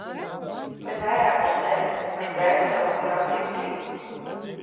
Bet vairāk par sevi, par dvēseli un attīstību.